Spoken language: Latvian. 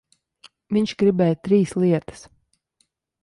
Viņš gribēja trīs lietas.